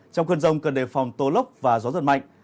trong khuôn rông cần đề phòng tổ lốc và gió rất mạnh